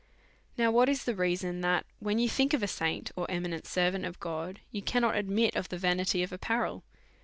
Now, what is the reason that, w hen you think of a ifT H^^'^ . saint or eminent servant of God, you cannot admit of j^t^v 'i < the vanity of apparel